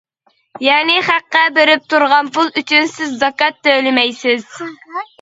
يەنى خەققە بېرىپ تۇرغان پۇل ئۈچۈن سىز زاكات تۆلىمەيسىز.